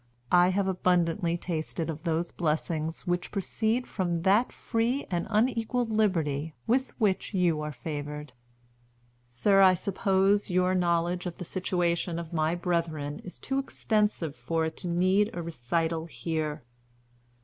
I have abundantly tasted of those blessings which proceed from that free and unequalled liberty with which you are favored. "Sir, I suppose your knowledge of the situation of my brethren is too extensive for it to need a recital here.